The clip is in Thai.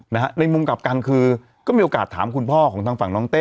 ในมุมกลับกันคือก็มีโอกาสถามคุณพ่อของทางฝั่งน้องเต้